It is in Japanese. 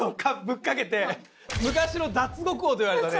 昔の脱獄王といわれたね